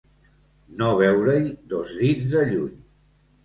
No veure-hi dos dits de lluny.